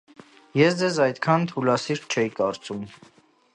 Ես ձեզ այդքան թուլասիրտ չէի կարծում: